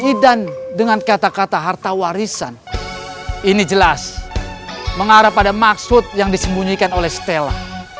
idan dengan kata kata harta warisan ini jelas mengarah pada maksud yang disembunyikan oleh stella